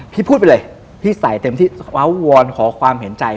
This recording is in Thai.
พี่พูดไปเลยพี่ใส่เต็มที่ขอความเห็นใจ